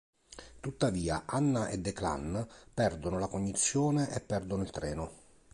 Tuttavia, Anna e Declan perdono la cognizione e perdono il treno.